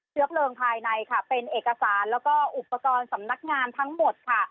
เพลิงภายในค่ะเป็นเอกสารแล้วก็อุปกรณ์สำนักงานทั้งหมดค่ะ